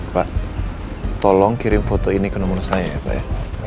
pak tolong kirim foto ini ke nemuin saya ya pak ya